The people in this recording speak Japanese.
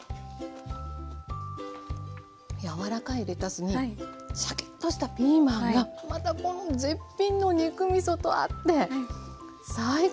柔らかいレタスにシャキッとしたピーマンがまたこの絶品の肉みそと合って最高です。